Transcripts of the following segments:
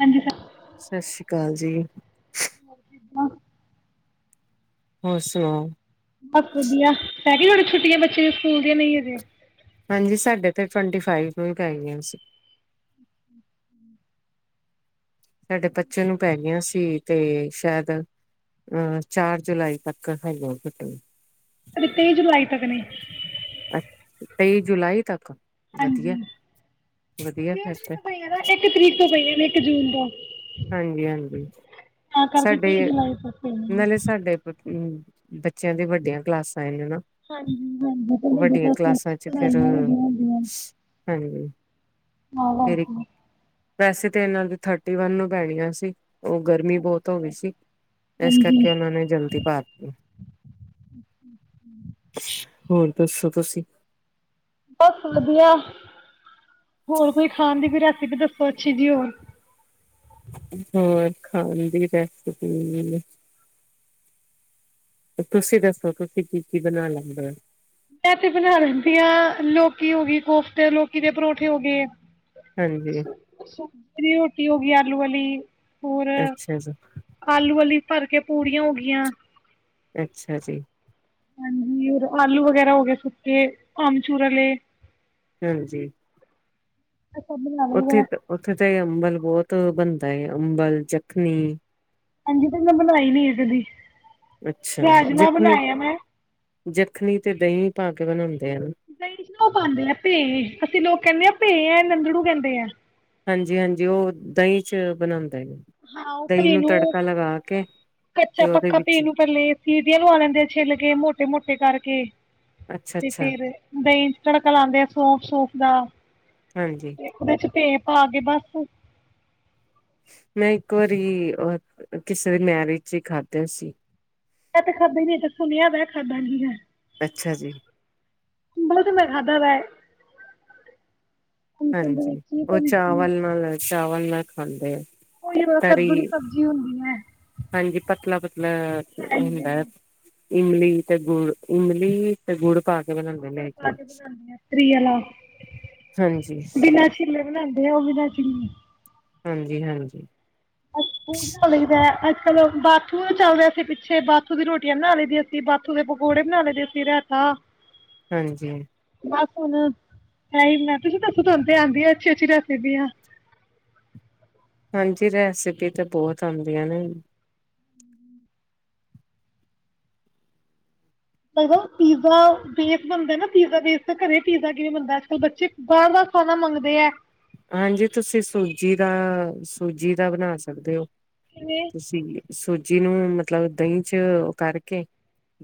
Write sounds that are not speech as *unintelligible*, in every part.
ਹਾਂਜੀ ਸ ਸਤਿ ਸ੍ਰੀ ਅਕਾਲ ਜੀ ਕਿੱਦਾਂ ਹੋ ਸੁਨਾੳ ਬਸ ਵਧੀਆ ਹੈ ਗ ਹੜੀਆਂ ਛੁੱਟੀਆਂ ਬੱਚੇ ਦੇਆਂ ਸਕੂਲ ਦੀਆਂ ਨਹੀਂ ਹੈਜੇ ਹਾਂਜੀ ਸਾਡੇ ਤੇ ਟਵੰਟੀ ਫਾਈਵ ਨੂੰ ਗਏ ਗਸੀਂ ਸਾਡੇ ਪੱਚੇ ਨੂੰ ਪੈ ਗਿਆਆਂ ਸੀ ਤੇ ਸ਼ਾਇਦ ਅਹ ਚਾਰ ਜੁਲਾਈ ਤੱਕ ਹੈਗੀਆਂ ਘੁੱਟਣ ਕਦੇ ਤੇਈ ਜੁਲਾਈ ਤੱਕ ਨੇ ਅੱ ਤੇਈ ਜੁਲਾਈ ਤੱਕ ਵਧੀਆ ਹਾਂਜੀ ਵਧੀਆ ਫਿਰ ਡੇਟ ਵੀ ਤੇ ਤਾਂ ਪਈ ਹੈ ਨਾ ਇੱਕ ਤਰੀਕ ਤੋਂ ਪਈ ਹੈ ਨਾ ਇੱਕ ਜੂਨ ਤੋਂ ਹਾਂਜੀ ਹਾਂਜੀ ਤਾਂ ਕਰਕੇ ਤੇਈ ਸਾਡੇ ਜੁਲਾਈ ਤੱਕ ਪਈਆਂ ਨੇ ਨਾਲੇ ਸਾਡੇ ਪੁ ਬੱਚਿਆਂ ਦੀ ਵੱਡੀਆਂ ਕਲਾਸ ਹਾਂਜੀ ਵੱਡੀਆਂ ਹਾਂਜੀ ਕਲਾਸਾਂ ਵਆਂ ਵ ਹਾਂ ਆ ਵੈਸੇ ਤੇ ਇਹਨਾਂ ਦੇ ਥਰਟੀ ਵਨ ਨੂੰ ਪੈਣੀਆਂ ਸੀ ਉਹ ਗਰਮੀ ਬਹੁਤ ਹੋ ਗਈ ਸੀ ਇਸ ਹਾਂਜੀ ਕਰਕੇ ਉਹਨਾਂ ਨੇ ਜਲਦੀ ਪਾਤੀ ਹੋਰ ਦਸੌ ਤੁਸੀ ਬਸ ਵਧੀਆ ਹੋਰ ਕੋਈ ਖਾਣ ਦੀ ਕੋ ਰੈਸਪੀ ਦੱਸੋ ਅੱਛੀ ਜੀ ਹੋਰ ਹੋਰ ਖਾਣ ਦੀ ਰੈਸਪੀ ਤੁਸੀਂ ਦੱਸੋ ਤੁਸੀਂ ਕੀ ਕੀ ਬਣਾ ਲੈਂਦੇ ਮੈਂ ਤੇ ਬਣਾ ਲੈਂਦੀ ਹਾਂ ਲੋਕੀ ਹੋ ਗਈ ਕੋਫਤੇ ਲੋਕੀ ਦੇ ਪਰੌਠੇ ਹੋ ਗਏ ਹਾਂਜੀ ਅੱਛਾ ਦੀ ਰੋਟੀ ਹੋ ਗਈ ਆਲੂ ਵਾਲੀ ਹੋਰ ਅੱਛਾ ਜੀ ਆਲੂ ਵਾਲੀ ਭਰ ਕੇ ਪੂੜੀਆਂ ਹੋ ਗਆਂ ਅੱਛਾ ਜੀ ਹਾਂਜੀਰ ਆਲੂ ਵਗੈਰਾ ਹੋ ਗ ਸੁਤੇ ਆਮਚੂਰੇ ਹਾਂਜੀ ਸਭ ਬਣਾ ਉੱਥੇ ਲਈਦਾ ਤਾਂ ਉੱਥੇ ਤਾਂ ਹੀ ਅੰਬਲ ਬਹੁਤ ਬਣਦਾ ਹੈ ਅੰਬਲ ਜੱਖਣੀ ਹਾਂਜੀ ਤੇ ਮੈਂ ਬਣਾਈ ਨ ਇਹ ਕਦੀ ਅੱਛਾ ਰਾਜਮਾਂ ਜਖਣੀ ਬਣਾਏ ਆ ਮੈਂ ਜਖਣੀ ਤੇ ਦਹੀਂ ਪਾ ਕੇ ਬਣਾਉਣੀ ਦਹੀਂ ਪਾਉਂਦੇ ਆ ਭੇ ਅਸੀਂ ਲੋਕ ਕਹਿੰਦੇ ਆਾਂ ਭੇ ਹੈ ਨੰਦੜੂ ਕਹਿੰਦੇ ਆ ਹਾਂਜੀ ਹਾਂਜੀ ਉਹ ਦਹੀਂ ਚ ਬਣਾਉਂਦੇ ਹਾਂ ਉਹ ਪੀ ਨੂੰ ਕੇ ਕੱਚਾ ਤੇ ਉਹਦੇ ਪੱਕਾ ਪੀ ਵਿੱਚ ਨੂੰ ਪਲੇ ਸੀਰੀੀਆਂ ਲ ਆ ਲੈਂਦੇ ਛਿੱਲ ਗ ਮੋ ਮੋਟੇ ਮੋਟੇ ਕਰਕੇ ਅੱਛਾ ਤੇ ਅੱਛਾ ਫੇਰ ਦਹੀਂ ਚ ਤੜਕਾ ਲਾਉਦੇ ਆ ਸੋਫ ਸੂਫ ਦਾ ਹਾਂਜੀ ਤੇ ਉਹਦੇ ਚ ਪੇਪ ਆ ਗ ਬਸ ਮੈਂ ਇੱਕ ਵਾਰੀ ਅ ਕਿਸੇ ਦੇ ਮੈਰਿਜ ਹੀ ਖਾਧਿਆ ਸੀ ਮੈਂ ਤੇ ਖਾਬੇ ਨ ਸੁਣਿਆ ਮੈਂ ਖਾਦਾਂਗੀ ਹੈ ਅੱਛਾ ਜੀ ਬਹੁਤ ਮੈਂ ਖਾਧਾ ਵਾ ਦੇ ਹਾਂਜੀ ਵਿੱਚ ਹੀ ਉਹ ਬਣਦੀ ਚਾਵਲ ਨਾਲ ਚਾ *unintelligible* ਖਾਂਦੇ ਆ ਉਹੀ ਵਾ ਤ ਕੱਦੂ ਦੀ ਸਬਜ਼ੀ ਹੁੰਦੀ ਹੈ ਹਾਂਜੀ ਪਤਲਾ ਪਤਲਾ ਹਾਂਜੀ ਹੁੰਦਾ ਇਮਲੀ ਤੇ ਗੁੜ ਇਮਲੀ ਤੇ ਗੁੜ ਪਾ ਕੇ ਬਣਾਉਂਦੇ ਮੇਰੇ ਹੁੜਕਾ ਖਿਆਲ ਕੇ ਬਣਾਉਦੀ ਆ ਤਰੀਆਲਾ ਹਾਂਜੀ ਬਿਨਾਂ ਛਿਲੇ *unintelligible* ਡ ਉਹ ਵੀ ਲ ਚੜੀ ਹਾਂਜੀ ਹਾਂਜੀ *unintelligible* ਅੱਜ ਕੱਲ ਬਾਥੂ ਚੱਲ ਰਿਹਾ ਸੀ ਪਿੱਛੇ ਬਾਥੂ ਦੀ ਰੋਟੀਆਂ ਬਣਾ ਲਈ ਦੀਆਂ ਸੀ ਬਾਥੂ ਦੇ ਪਕੌੜੇ ਬਣਾ ਲਦੇ ਸੀ ਰਾਤਾ ਹਾਂਜੀ ਬਸ ਹੁਣ ਮੈਂ ਤੁਸੀਂ ਦੱਸੋ ਤ ਤੇ ਆਉਂਦੀ ਆ ਅੱਛੀ ਅੱਛੀ ਰੈਸਪੀਆਂ ਹਾਂਜੀ ਰੈਸਪੀ ਤਾਂ ਬਹੁਤ ਆਉਂਦੀਆਂ ਨੇ ਮਲ ਪੀਜ਼ਾ ਵੇਸ ਬਣਦੇ ਨਾ ਪੀਜ਼ਾ ਵੇਸ ਘਰੇ ਪੀਜ਼ਾ ਕਿਵੇਂ ਬਣਦਾ ਅੱਜ ਕੱਲ ਬੱਚੇ ਬਾਰ ਬਾਰ ਖਾਣਾ ਮੰਗਦੇ ਆ ਹਾਂਜੀ ਤੁਸੀਂ ਸੂਜੀ ਦਾ ਸੂਜੀ ਦਾ ਬਣਾ ਸਕਦੇ ਹੋ ਕਿਵੇਂ ਤੁਸੀਂ ਸੂਜੀ ਨੂੰ ਮਤਲਬ ਦਹੀਂ ਚ ਕਰਕੇ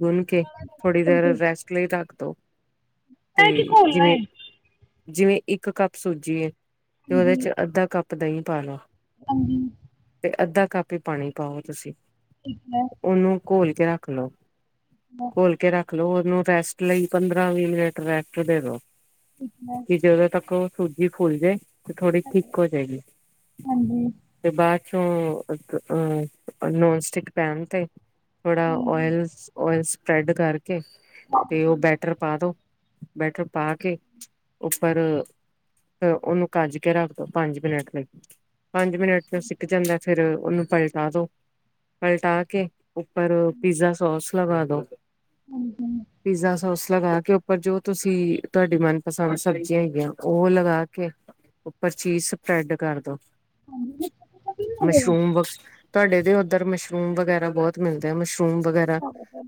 ਗੁੰਨ ਕੇ ਥੋੜ੍ਹੀ ਦੇਰ ਰੈਸਟ ਲਈ ਲੱਗ *unintelligible* ਤੇ ਇਹ ਕੀ ਘੋਲਣਾ ਜਿਵੇਂ ਹੈ ਜਿਵੇਂ ਇੱਕ ਕੱਪ ਸੂਜੀ ਤੇ ਹਾਂਜੀ ਉਹਦੇ ਚ ਅੱਧਾ ਕੱਪ ਦਹੀਂ ਪਾ ਲੋ ਹਾਂਜੀ ਅੱਧਾ ਕੱਪ ਹੀ ਪਾਣੀ ਪਾਓ ਤੁਸੀਂ ਠੀਕ ਹੈ ਉਹਨੂੰ ਘੋਲ ਰੱਖ ਲਓ ਬਸ ਘੋਲ ਕੇ ਰੱਖ ਖਲੋ ਉਹਨੂੰ ਰੈਸਟ ਲਈ ਪੰਦਰਾਂ ਵੀਹ ਮਿੰਟ ਰੈਸਟ ਦੇ ਦੋ ਠੀਕ ਹੈ ਕਿ ਜੋਦ ਤੱਕ *unintelligible* *unintelligible* ਤੇ ਥੋੜੀ ਹੈਲੋ, ਠਿੱਕ ਹੋ ਜਾਏਗੀ ਹਾਂਜੀ ਤੇ ਬਾਅਦ ਨੋਨਸਟਿਕ ਪੈਨ ਤੇ ਥੋੜਾ ਹਾਂਜੀ ਓਇਲਸ ਓਇਲਸ ਸਪ੍ਰੈਡ ਕਰਕੇ ਤੇ ਉਹ ਬੈਟਰ ਪਾ ਦੋ ਬੈਠ ਪਾ ਕੇ ਉੱਪਰ ਤੇ ਉਹਨੂੰ ਕੱਜ ਕੇ ਰੱਖ ਦੋ ਪੰਜ ਮਿੰਟ ਲੱ ਪੰਜ ਮਿੰਟ ਚ ਸਿੱਖ ਜਾਂਦਾ ਫੇਿਰ ਉਹਨੂੰ ਪਲਟਾ ਦੋ ਪਲਟਾ ਕੇ ਉੱਪਰ ਪੀਜ਼ਾ ਸੋਸ ਲਗਾ ਦੋ ਹਾਂਜੀ ਹਾਂਜੀ ਕਿੰਨਾ ਪੀਜ਼ਾ ਸੋਸ ਲਗਾ ਕੇ ਉੱਪਰ ਜੋ ਤੁਸੀਂ ਤੁਹਾਡੀ ਮਨਪਸੰਦ ਸਬਜ਼ੀਆਂ ਹੈਗੀਆਂ ਉਹ ਉਗਾ ਕੇ ਉੱਪਰ ਚੀਜ਼ ਸਪਰੈਡ ਕਰਦੋ ਹੋ ਜਾਏਗਾ ਮਸ਼ਰੂਮ ਵ *unintelligible* ਤੁਹਾਡੇ ਦੇ ਉੱਧਰ ਮਸ਼ਰੂਮ ਵਗੈਰਾ ਬਹੁਤ ਮਿਲਦੇ ਆ ਮਸ਼ਰੂਮ ਮਸਰੂਮ ਵਗੈਰਾ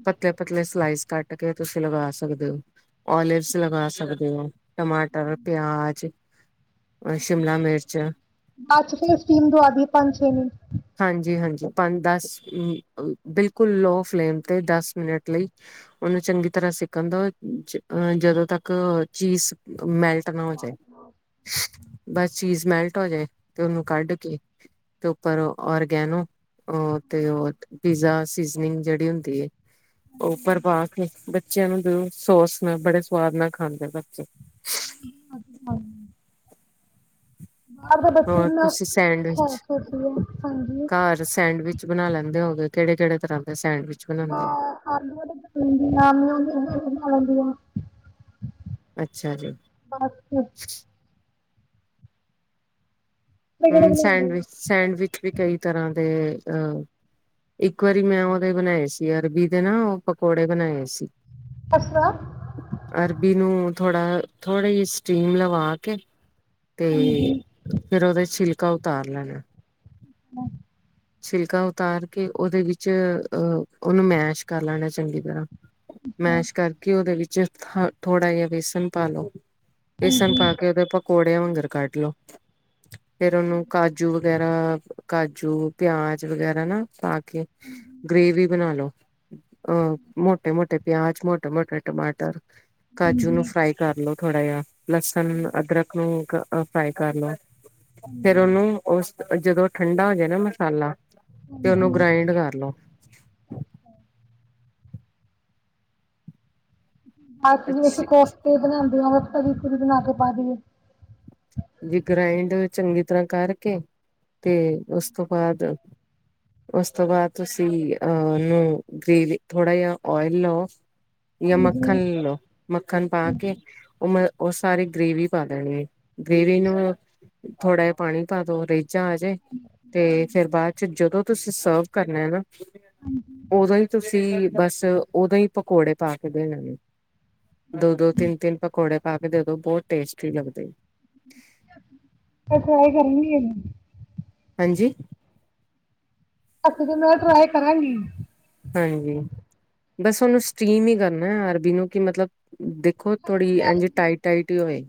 ਪਤਲੇ ਪਤਲੇ ਸਲਾਈਜ਼ ਕਟ ਕੇ ਤੁਸੀਂ ਲਗਾ ਸਕਦੇ ਹੋ ਓਲਿਵਸ ਲਗਾ ਸਕਦੇ ਹੋ ਟਮਾਟਰ ਪਿਆਜ ਸ਼ਿਮਲਾ ਮਿਰਚ ਬਾਅਦ ਚ ਫੇਰ ਸਟੀਮ ਦਵਾਦੀਏ ਪੰਜ ਛੇ ਮਿੰਟ ਹਾਂਜੀ-ਹਾਂਜੀ ਪੰਜ ਦਸ ਬਿਲਕੁਲ ਲੋਅ ਫਲੇਮ ਤੇ ਦਸ ਮਨਟ ਲਈ ਉਹਨੂੰ ਚੰਗੀ ਤਰ੍ਹਾਂ ਸਿੱਕਣ ਦਾ ਜਦੋਂ ਤੱਕ ਚੀਜ਼ ਮੈਲਟ ਟਣਾ ਹੋ ਚੇ ਬਸ ਚੀਜ਼ ਸਮੈਲਟ ਹੋ ਜਾਏ ਤੇ ਉਹਨੂੰ ਕੱਢ ਕੇ ਤੇ ਉੱਪਰ ਔਰਗੈਨੋ ਅ ਤੇ ਉਹ ਪੀਜ਼ਾ ਜਨਿੰਗ ਜਿਹੜੀ ਹੁੰਦੀ ਹੈ ਉਹ ਪ੍ਰਰਭ ਕੇ ਬੱਚਿਆਂ ਨੂੰ ਸੋਸ ਨਾਲ ਬੜੇ ਸਵਾਦ ਨਾਲ ਖਾਂਦੇ ਬੱਚੇ *unintelligible* ਬਾਅਦ ਦਾ ਬੱਚੇ ਹੋਰ ਇਨਾ ਤੁਸੀਂ ਸੈਂਡਵਿਚ ਸਾਫਚ ਆ ਹਾਂਜੀ ਘਰ ਸੈਂਡਵਿਚ ਬਣਾ ਲੈਂਦੇ ਹੋਗੇ ਕਿਹੜੇ ਕਿਹੜੇ ਤਰ੍ਹਾਂ ਦੇ ਸੈਂਡਵਿਚ ਬਣਾਉਂਦੇ ਹੋ? ਲੈਂਦੀ ਆਦੀਣਾ ਲੈਂਦੀ ਆ *unintelligible* ਅੱਛਾ ਜੀ ਬੱਸ ਕਿਹੜੇ ਕਿਹੜੇ ਹਮ ਬਣਾਉਂਦੇ ਹੋ ਸੈਂਡਵਿਚ ਸੈਂਡਵਿਚ ਵੀ ਕਈ ਤਰ੍ਹਾਂ ਦੇ ਅਹ ਇੱਕ ਵਾਰੀ ਮੈਂ ਉਹਦੇ ਬਣਾਏ ਸੀ ਅਰਬੀ ਦੇ ਨਾ ਉਹ ਪਕੌੜੇ ਬਣਾਏ ਸੀ ਅੱਛਾ ਅਰਬੀ ਨੂੰ ਥੋੜ੍ਹਾ ਥੋੜੀ ਜਿਹੀ ਸਟੀਮ ਲਵਾ ਕੇ ਤੇ ਹਾਂਜੀ ਫਿਰ ਉਹਦੇ ਛਿਲਕਾ ਉਤਾਰ ਲੈਣਾ ਹਮ ਸਿਲਕਾ ਉਤਾਰ ਕੇ ਉਹਦੇ ਵਿੱਚ ਅਹ ਉਹਨੂੰ ਮੈਸ਼ ਕਰ ਲੈਣਾ ਚੰਗੀ ਤਰ੍ਹਾਂ ਮੈਸ਼ ਕਰਕੇ ਉਹਦੇ ਵਿੱਚ ਜ ਥੋੜਾ ਜਿਹਾ ਬੇਸਨ ਪਾ ਲ ਲੋ ਇਸ ਸਨ ਹਾਂਜੀ ਪਾ ਕੇ ਉਹਦੇ ਆਪਾਂ ਕੋੋੜੇ ਵਾਂਗਰ ਕੱਢ ਲੋ ਫੇਰ ਉਹਨੂੰ ਕਾਜੂ ਵਗੈਰਾ ਕਾਜੂ ਪਿਆਜ ਵਗੈਰਾ ਨਾ ਪਾ ਕੇ ਗ੍ਰਵੀ ਬਣਾ ਲੋ ਅਹ ਮੋਟੇ ਮੋਟੇ ਪਿਆਜ ਮੋਟੇ ਮੋਟੇ ਟਮਾਟਰ ਕਾਜੂ ਨੂੰ ਹਾਂਜੀ ਫਰਾਈ ਕਰ ਲੋ ਥੋੜਾ ਜਿਹਾ ਲਸਨ ਅਦਰਰਕ ਨੂੰ ਕ ਅ ਫਾਈ ਕਰ ਲਓ ਫਿਰ ਹਾਂਜੀ ਉਹਨੂੰ ਉਸ ਜਦੋਂ ਠੰਡਾ ਹੋ ਜਾਏ ਨਾ ਮਸਾਲਾ ਬਸ ਤੇ ਉਹਨੂੰ ਗ੍ਰਾਇੰਡ ਕਰ ਲੋ ਬਾਕੀ ਜਿਵੇਂ ਅਸੀਂ ਅੱਛੀ ਕੋਫਤੇ ਬਣਾਉਦੇ ਆ ਤਰੀ ਬਣਾਕੇ ਪਾ ਦਈਏ ਜੇ ਗ੍ਰਾਇੰਡ ਚੰਗੀ ਤਰ੍ਹਾਂ ਕਰਕੇ ਤੇ ਉਸ ਤੋਂ ਬਾਅਦ ਉਸ ਤੋਂ ਬਾਅਦ ਤੁਸੀਂ ਅਹਨੂੰ ਗ੍ਰੇਵੀ ਥੋੜ੍ਹਾ ਜਿਹਾ ਓਇਲ ਲਓ ਜਾਂ ਹਾਂਜੀ ਮੱਖਣ ਲੈ ਲਓ ਮੱਖਣ ਪਾ ਹਾਂਜੀ ਕੇ ਉਹ ਮ ਉਹ ਸਾਰੇ ਗ੍ਰੇਵੀ ਪਾ ਦੇਣਗੇ ਗੇਵੀ ਨੂੰ ਥੋੜਾ ਜ ਪਾਣੀ ਪਾ ਦੋ ਰੇ ਆਜੇ ਤੇ ਫੇਰ ਬਾਅਦ ਚ ਜਦੋਂ ਤੁਸੀਂ ਸਰਵ ਕਰਨਾ ਨਾ। ਉਦੋਂ ਹੀ ਤੁਸੀਂ ਬਸ ਉਦੋਂ ਹੀ ਪਕੌੜੇ ਪਾ ਕੇ ਦੇਣੇ ਨੇ। ਦੋ-ਦੋ ਤਿੰਨ-ਤਿੰਨ ਪਕੌੜੇ ਖਾ ਕੇ ਤੇ ਉਦੋਂ ਬਹੁਤ ਟੇਸਟੀ ਲਗਦੇ। ਮੇੈਂ ਟਰਾਏ ਕਰਨੀ ਹੈਗੀ। ਹਾਂਜੀ। ਅੱਛਾ, ਜੇ ਮੈਂ ਟਰਾਈ ਕਰਾਂਗੀ। ਹਾਂਜੀ, ਬਸ ਉਹਨੂੰ ਸਟੀਮ ਹੀ ਕਰਨਾ ਅਰਬੀ ਨੂੰ ਕਿ ਮਤਲਬ ਦੇਖੋ ਥੋੜ੍ਹੀ ਇੰਝ ਟਾਈਟ ਟਾਈਟ ਹੀ ਹੋਏ।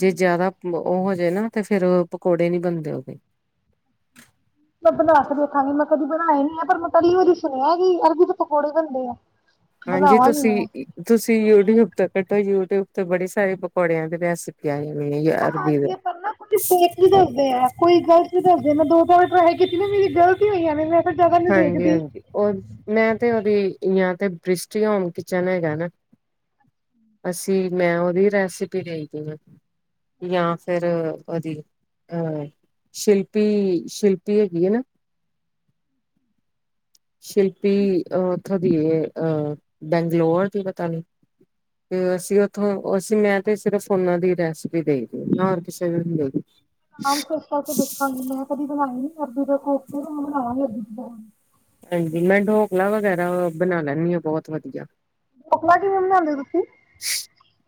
ਜੇ ਜ਼ਿਆਦਾ ਉਹ ਹੋਜੇ ਨਾ ਤੇ ਫਿਰ ਪਕੌੜੇ ਨੀ ਬਣਦੇ ਉਹਦੇ। ਮੈਂ ਬਣਾ ਕੇ ਦੇਖਾਂਗੀ ਮੈਂ ਕਦੀ ਬਣਾਏ ਨੀ ਹੈ ਪਰ ਮੈਂ ਪਹਿਲੀ ਵਾਰੀ ਸੁਣਿਆ ਕਿ ਅਰਬੀ ਦੇ ਪਕੌੜੇ ਬਣਦੇ ਆ। ਹਾਂਜੀ, ਬਣਾਵਾਂਗੀ ਮੈਂ ਤੁਸੀਂ ਤੁਸੀਂ ਯੂਟਿਊਬ ਤ ਕੱਡੋ ਯੂ ਯੂਟਿਊਬ ਤੇ ਬੜੀ ਸਾਰੇ ਪਕੌੜਿਆਂ ਦੇ ਰੈਸਪੀ ਆ। ਹੋਈ ਅਰਬੀ ਹਾਂਜੀ ਆਪਾਂ ਨੂੰ ਕੁਝ ਫੇਕ ਈ ਦੱਸਦੇ ਆ ਕੋਈ ਗਲਤ ਤੁਸੀਂ ਦੱਸਦੇ ਮੈਂ ਦੋ ਵਾਰ ਟਰਾਈ ਕੀਤੀ ਨਾ ਮੇਰੀ ਗਲਤੀ ਹੋਈਆਂ ਨੇ ਮੈਂ ਫਿਰ ਜ਼ਿਆਦਾ ਨੀ ਹਾਂਜੀ- ਦੇਖਦੀ ਹਾਂਜੀ ਉਹ ਮੈਂ ਤੇ ਉਹਦੀ ਯਾਰ। ਤੇ ਬ੍ਰਿਸ਼ਟੀ ਹੋਮ ਕਿਚਨ ਹੈਗਾ ਨਾ ਅਸੀਂ ਮੈਂ ਉਹਦੀ ਰੈਸਪੀ ਦੇਖਦੀ ਹਾਂ ਜਾਂ ਫਿਰ ਉਹਦੀ ਅਹ ਸ਼ਿਲਪੀ-ਸ਼ਿਲਪੀ ਹੈਗੀ ਆ ਨਾ। ਸ਼ਿਲਪੀ ਅਹ ਉੱਥੋਂ ਦੀ ਅਹ ਬੈਂਗਲੋੌਰ ਦੀ ਪਤਾ ਨੀ ਤੇ ਅਸੀਂ ਉੱਥੋਂ ਅਸੀਂ ਮੈਂ ਤੇ ਸਿਰਫ ਉਹਨਾਂ ਦੀ ਰੈਸਪੀ ਦੇਖਦੀ ਨਾ ਹੋਰ ਕਿਸੇ ਨੂੰ ਨੀ ਦੇਖਦੀ। ਆਮ ਕੁਛ ਕਰਕੇ ਦੇਖਾਂਗੀ ਮੈਂ ਕਦੀ ਕਮਾਈ ਨੀ। ਸਰਦੀ ਦੇ ਕੋਫਤੇ ਬਣਾਵਾਂਗੇ ਅਸੀਂ ਤਾਂ। ਹਾਂਜੀ, ਮੈਂ ਡੋਕਲਾ ਵਗੈਰਾ ਬਣਾ ਲੈਂਦੀ ਹਾਂ ਬਹੁਤ ਵਧੀਆ। ਟਕਲਾ ਕਿਵੇਂ ਬਣਾਉਂਦੇ ਤੁਸੀਂ। *unintelligible*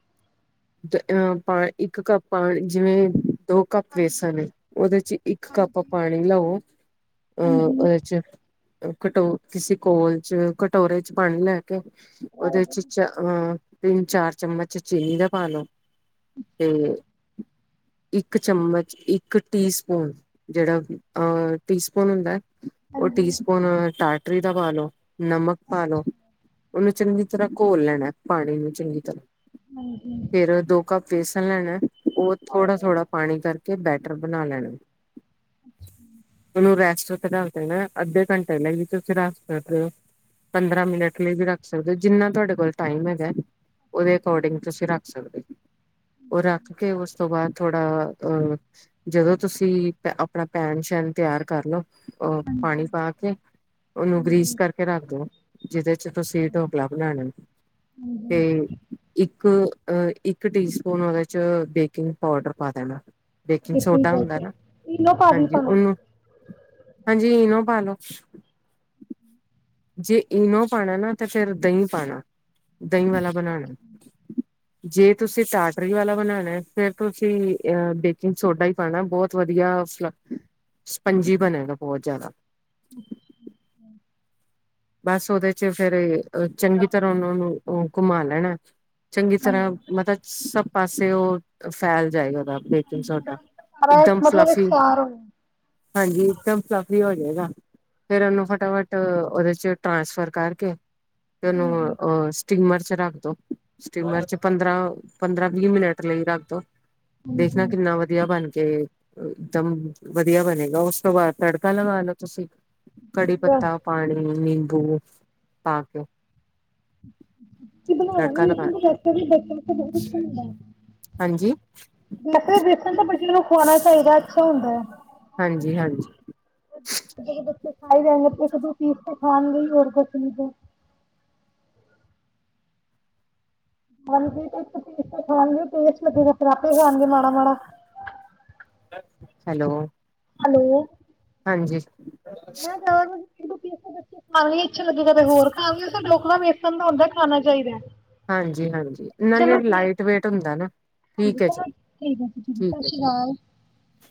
ਤ ਆਪਾ ਇੱਕ ਕੱਪ ਪਾਣੀ ਜਿਵੇਂ ਦੋ ਕੱਪ ਹਾਂਜੀ ਬੇਸਣ ਉਹਦੇ ਚ ਇੱਕ ਕੱਪ ਹਾਂਜੀ ਪਾਣੀ ਲਓ ਅਹ ਹਾਂਜੀ ਉਹਦੇ ਚ ਕਟੋ ਕਿਸੇ ਕੋਲ ਚ ਕਟੋਰੇ ਚ ਪਾਣੀ ਲੈਣ ਉਹਦੇ ਹਾਂਜੀ ਚ ਅਹ ਤਿੰਨ ਚਾਰ ਚਮਚ ਚੀਨੀ ਦਾ ਫਾਲੋ। ਤੇ। ਇੱਕ ਚਮਚ ਇੱਕ ਟੀ ਸਪੂਨ ਜਿਹੜਾ ਅਹ ਟੀ ਸਪੂਨ ਹੁੰਦਾ। ਉਹ ਟੀ ਸਪੂਨ ਟਾ ਪਟਰੀ ਤਾਂ ਪਾ ਲੋ ਨਮਕ ਪਾ ਲੋ ਉਹਨੂੰ ਚੰਗੀ ਤਰ੍ਹਾਂ ਘੋਲ ਲੈਣਾ। ਪਾਣੀ ਨੂੰ ਚੰਗੀ ਹਾਂਜੀ ਤਰ੍ਹਾਂ ਦੋ ਕੱਪ ਵੇਸਣ ਲੈਣਾ। ਉਹ ਥੋੜ੍ਹਾ ਹਾਂਜੀ ਥੋੜਾ ਪਾਣੀ ਕਰਕੇ ਤੇ ਬੈਟਰ ਬਣਾ ਲੈਣਾ। ਇਨੂੰ ਰੈਸਟ ਉਤੇ ਰੱਖ ਦੇਣੈ ਅੱਧੇ ਘੰਟੇ ਲਈ ਵੀ ਤੁਸੀਂ ਰੱਖ ਸਕਦੇ ਔ, ਪੰਦਰਾਂ ਮਿੰਟ ਲਈ ਵੀ ਰੱਖ ਸਕਦੇ ਔ ਜਿੰਨਾ ਤੁਹਾਡੇ ਕੋਲ ਟਾਈਮ ਹੈਗੈ। ਉਹਦੇ ਅੱਕਾਰਡਿੰਗ ਤੁਸੀ ਰੱਖ ਉਹ ਰੱਖ ਕੇ ਉਸ ਤੋਂ ਬਾਅਦ ਥੋੜਾ ਅ ਜਦੋਂ ਤੁਸੀ ਆਪਣਾ ਪੈਣ-ਸ਼ੈਣ ਤਿਆਰ ਕਰ ਲੋ ਉਹ ਹਾਂਜੀ ਪਾਣੀ ਪਾ ਕੇ ਉਹਨੂੰ ਗਰੀਸ ਹਾਂਜੀ ਕਰਕੇ ਰੱਖ ਦੋ। ਜਿਦੇ ਚ ਅੱਛਾ ਤੁਸੀ ਢੋਕਲਾ ਬਣਾਣੈ ਤੇ ਹਾਂਜੀ ਇੱਕ ਹ ਅ ਇੱਕ ਟੀ ਸਪੂਨ ਉਹਦੇ ਚ ਬੇਕਿੰਗ ਪਾਊਡਰ ਪਾ ਦੇਣਾ। ਬੇਕਿੰਗ ਸੋਡਾ ਹੁੰਦਾ ਬਿਲਕੁਲ ਨਾ *unintelligible* ਈਨੋ ਪਾ ਦਈਐ ਹਾਂਜੀ ਭਾਵੇਂ। ਉਹਨੂੰ ਹਾਂਜੀ ਇਨੋ ਪਾ ਲੋ। ਜੇ ਇਨੋ ਪਾਣੈ ਨਾ ਤੇ ਫੇਰ ਦਹੀਂ ਪਾਣਾ। ਦਹੀਂ ਵਾਲਾ ਬਣਾਣਾ। ਜੇ ਤੁਸੀ ਟਾਟਰੀ ਵਾਲਾ ਬਣਾਣੈ ਫਿਰ ਤੁਸੀ ਅ ਬੇਕਿੰਗ ਸੋਡਾ ਈ ਪਾਣਾ ਬੋਤ ਵਧੀਆ ਫਲਫ, ਸਪੰਜੀ ਬਣੇਗਾ ਬੋਤ ਜ਼ਿਆਦਾ। *unintelligible* ਬਸ ਉਹਦੇ ਚ ਫੇਰ ਅ ਚੰਗੀ ਤਰ੍ਹਾਂ ਉਹਨਾ ਨੂੰ ਅ ਘੁਮਾ ਲੈਣੈ। ਚੰਗੀ ਤਰ੍ਹਾਂ ਹਾਂਜੀ ਮਤਲਬ ਸਭ ਪਾਸੇ ਉਹ ਫੈਲ ਜਾਏਗਾ। ਬੇਕਿੰਗ ਸੋਡਾ, ਸਾਰਾ ਇੱਕਦਮ ਮਤਲਬ ਫਿਲੱਫੀ। ਇਕਸਾਰ ਹੋਵੇ ਹਾਂਜੀ ਇੱਕਦਮ ਫਿਲੱਫ ਵੀ ਹੋ ਜੇਗਾ। ਫੇਰ ਉਹਨੂੰ ਅੱਛਾ ਫਟਾਫਟ ਉਹਦੇ ਚ ਚ ਟ੍ਰਾਂਸਫਰ ਕਰਕੇ ਤੇ ਇਨੂੰ ਹਾਂਜੀ ਅ ਸਟੀਮਰ ਚ ਰੱਖ ਦੋ। ਸਟੀਮਰ ਚ ਪੰਦਰਾਂ ਪੰਦਰਾਂ-ਵੀਹ ਮਿਨਟ ਲਈ ਰੱਖ ਦੋ। ਦੇਖਣਾ ਹਾਂਜੀ ਕਿੰਨਾ ਵਧੀਆ ਬਣ ਤੇ ਇੱਕਦਮ ਵਧੀਆ ਬਣੇਗਾ। ਉਸ ਤੋਂ ਬਾਅਦ ਤੜਕਾ ਲਗਾ ਲੋ ਤੁਸੀ। ਕੜੀ ਪੱਤਾ, ਪਾਣੀ ਨਿੰਬੂ ਪਾ ਕੇ ਤੇ ਬਣਾਣਾ ਨਈ ਤੜਕਾ ਲਗਾ ਲੇਕਿਨ *unintelligible* ਹੁੰਦੈ। ਹਾਂਜੀ ਵੈਸੇ ਬੇਸਣ ਤਾਂ ਬੱਚਿਆਂ ਨੂੰ ਖਵਾਣਾ ਚਾਈਦੈ, ਅੱਛਾ ਹੁੰਦੈ। ਹਾਂਜੀ-ਹਾਂਜੀ। ਜੇਹ ਬੱਚੇ ਖਾਈ ਜਾਏਂਗੇ ਇੱਕ ਦੁ ਪੀਸ ਤੇ ਖਾਣਗੇ ਈ, ਹੋਰ ਕੁਛ ਨੀ ਤੇ। ਹਾਂਜੀ ਤੇ ਤੁਸੀ *unintelligible* ਖਾਣਗੇ ਟੇਸਟ ਲੱਗੇਗਾ ਫਿਰ ਆਪੇ ਖਾਣਗੇ ਮਾੜਾ-ਮਾੜਾ। ਹੈਲੋ ਹੈਲੋ ਹਾਂਜੀ ਨਾ ਜਾਵਾ ਬੱਚੇ ਖਾ ਲਈ *inaudible* ਚਲੋ ਥੋੜਾ ਫਿਰ ਹੋਰ ਖਾਯੋਗੇ ਸੱਬ ਲੋਗ ਹਾ ਵੇਸਣ ਦਾ ਹੁੰਦਾ ਖਾਣਾ ਚਾਹੀਦਾ ਹਾਂਜੀ ਹਾਂਜੀ ਇਹੇ ਚਲੋ ਠੀਕ ਲਾਈਟ ਵੇਟ ਹੁੰਦਾ ਨਾ ਹਾਂਜੀ ਠੀਕ ਹੈ ਜੀ ਚਲੋ ਠੀਕ ਹੈ ਜੀ ਠੀਕ ਸਤਿ ਹੈ ਸ਼੍ਰੀ ਅਕਾਲ ਜੀ